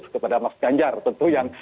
kepada mas ganjar tentu yang